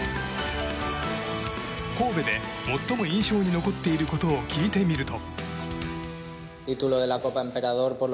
神戸で最も印象に残っていることを聞いてみると。